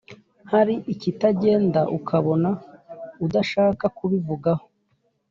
hari ikitagenda, ukabona adashaka kubivugaho,